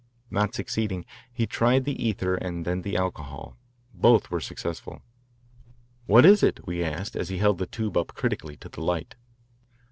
Not succeeding, he tried the ether and then the alcohol. Both were successful. "What is it?" we asked as he held the tube up critically to the light.